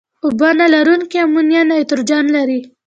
اوبه نه لرونکي امونیا نایتروجن لري.